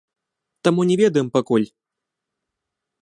Таму не ведаем пакуль.